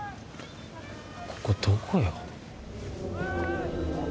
ここどこよ？おい！